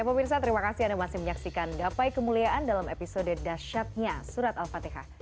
pemirsa terima kasih anda masih menyaksikan gapai kemuliaan dalam episode dasyatnya surat al fatihah